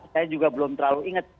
saya juga belum terlalu ingat